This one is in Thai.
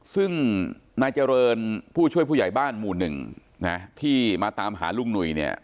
ซึ่งนายเจริญผู้ช่วยผู้ใหญ่บ้านหมู่หนึ่งนะที่มาตามหาลุงหนุ่ยเนี่ย